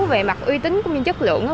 về mặt uy tín của những chất lượng